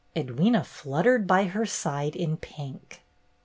Edwyna fluttered by her side in pink.